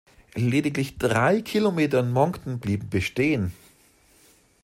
Lediglich drei Kilometer in Moncton blieben bestehen.